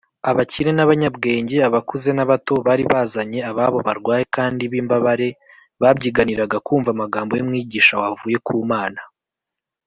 abakire n’abanyabwenge, abakuze n’abato, bari bazanye ababo barwaye kandi b’imbabare, babyiganiraga kumva amagambo y’umwigisha wavuye ku mana